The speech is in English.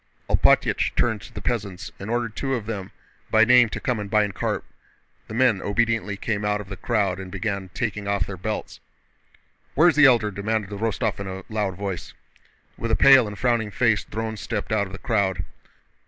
Alpátych turned to the peasants and ordered two of them by name to come and bind Karp. The men obediently came out of the crowd and began taking off their belts. "Where's the Elder?" demanded Rostóv in a loud voice. With a pale and frowning face Dron stepped out of the crowd.